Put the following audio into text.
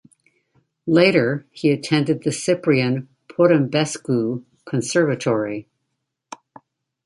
Later he attended the Ciprian Porumbescu Conservatory.